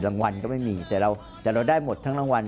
รางวัลก็ไม่มีแต่เราได้หมดทั้งรางวัล